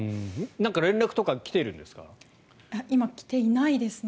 何か連絡とか来ているんですか？